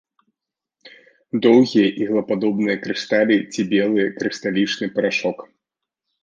Доўгія іглападобныя крышталі ці белы крышталічны парашок.